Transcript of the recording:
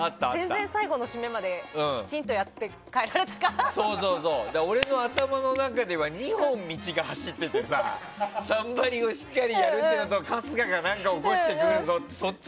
全然最後の締めまでしっかりやって俺の頭の中では２本道が走ってて「サンバリュ」をしっかりやるっていうのと春日が何か起こしてくるぞって